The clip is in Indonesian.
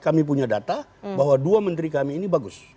kami punya data bahwa dua menteri kami ini bagus